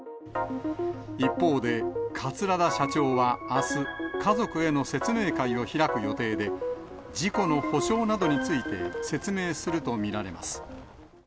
一方で、桂田社長はあす、家族への説明会を開く予定で、事故の補償などについて、説明すると見られます。